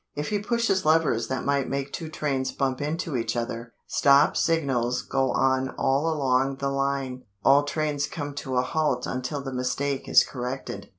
If he pushes levers that might make two trains bump into each other, stop signals go on all along the line. All trains come to a halt until the mistake is corrected.